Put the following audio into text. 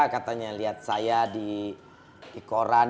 katanya lihat saya di koran